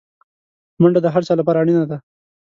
منډه د هر چا لپاره اړینه ده